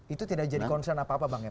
itu tidak jadi concern apa apa bang ya